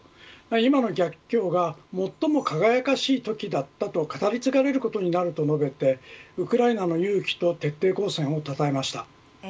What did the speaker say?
今の逆境が最も輝かしいときだったと語り継がれることになると述べてウクライナの勇気と徹底抗戦をたたえました。